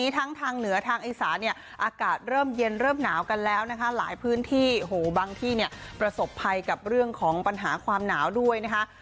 ทั้งทางเหนือทางอีสานเนี่ยอากาศเริ่มเย็นเริ่มหนาวกันแล้วนะคะหลายพื้นที่บางที่เนี่ยประสบภัยกับเรื่องของปัญหาความหนาวด้วยนะคะ